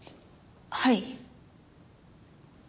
はい。